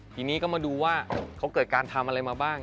ทีนี้ก็มาดูว่าเขาเกิดการทำอะไรมาบ้าง